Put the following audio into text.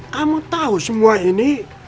kamu tahu semua ini